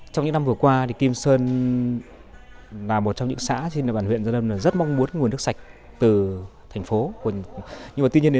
trong những năm vừa qua thì kim sơn là một trong những xã trên bản huyện dân âm rất mong muốn nguồn nước sạch từ thành phố